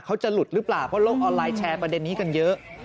เขาจะหลุดหรือเปล่าเพราะโลกออนไลน์แชร์ประเด็นนี้กันเยอะ